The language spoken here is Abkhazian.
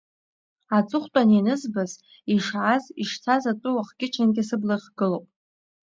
Аҵыхәтәан ианызбаз, ишааз, ишцаз атәы уахгьы-ҽынгьы сыбла ихгылоуп.